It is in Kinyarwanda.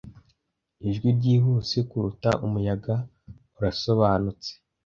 Ijwi ryihuse kuruta umuyaga urasobanutse,